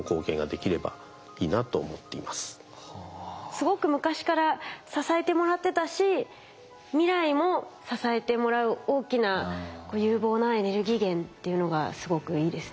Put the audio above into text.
すごく昔から支えてもらってたし未来も支えてもらう大きな有望なエネルギー源っていうのがすごくいいですね。